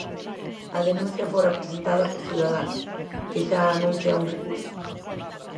A denuncia fora presentada por Ciudadanos, que xa anuncia un recurso.